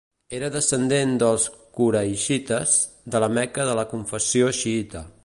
Era descendent dels quraixites de la Meca de confessió xiïta.